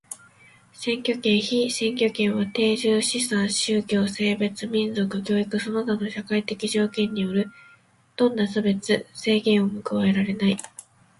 選挙権、被選挙権は定住、資産、信教、性別、民族、教育その他の社会的条件によるどんな差別、制限をも加えられない。